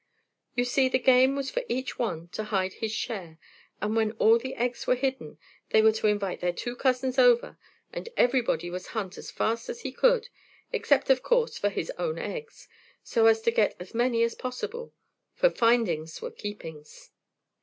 You see, the game was for each one to hide his share, and when all the eggs were hidden they were to invite their two cousins over and everybody was to hunt as fast as he could, except, of course, for his own eggs, so as to get as many as possible, for "findings were keepings."